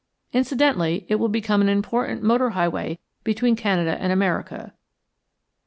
Incidentally it will become an important motor highway between Canada and America.